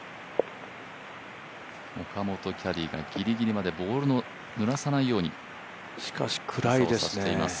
岡本キャディーがギリギリまでボールをぬらさないように傘を差しています。